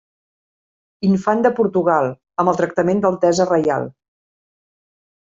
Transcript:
Infant de Portugal amb el tractament d'altesa reial.